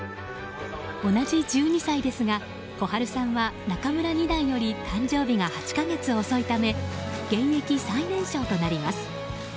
同じ１２歳ですが心治さんは仲邑二段より誕生日が８か月遅いため現役最年少となります。